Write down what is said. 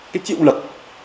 cái chịu lực